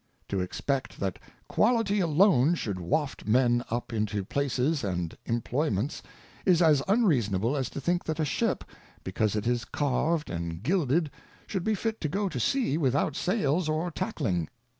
To expect that Quality alone should waft Men up into Places and Imployments, is as unreasonable, as to think that a Ship, because it is Carved and Gilded, should be fit to go to Sea with out Sails or Tackling.